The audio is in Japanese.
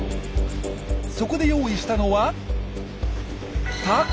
そこで用意したのは凧。